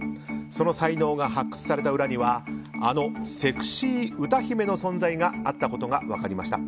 その才能が発掘された裏にはあのセクシー歌姫の存在があったことが分かりました。